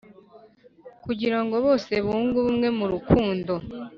Kugirango bose ngo bunge ubumwe mu rukundo